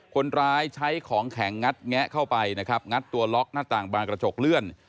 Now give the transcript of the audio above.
คนร้ายใช้ของแข็งงัดแงะเข้าไปนะครับงัดตัวล็อกหน้าต่างบานกระจกเลื่อน